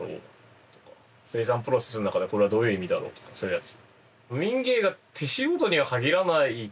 生産プロセスの中でこれはどういう意味だろうとかそういうやつ。